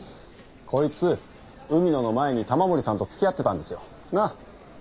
こいつ海野の前に玉森さんと付き合ってたんですよ。なあ？